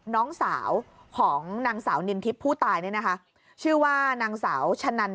น้องสาวของนางสาวนินทิพย์ผู้ตายเนี่ยนะคะชื่อว่านางสาวชะนัน